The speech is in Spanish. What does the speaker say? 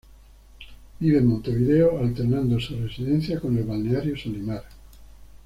Vive en Montevideo, alternando su residencia con el balneario Solymar.